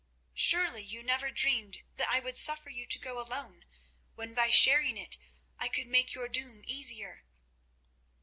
Surely you never dreamed that I would suffer you to go alone, when by sharing it I could make your doom easier."